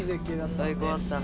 最高だったな。